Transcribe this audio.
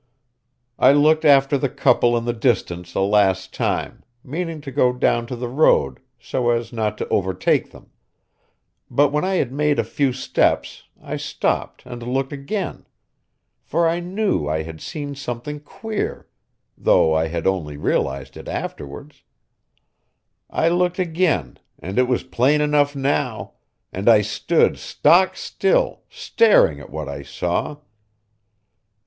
I looked after the couple in the distance a last time, meaning to go down to the road, so as not to overtake them; but when I had made a few steps I stopped and looked again, for I knew I had seen something queer, though I had only realised it afterwards. I looked again, and it was plain enough now; and I stood stock still, staring at what I saw.